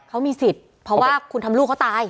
เขามีสิทธิ์เพราะว่าคุณทำลูกเขาตาย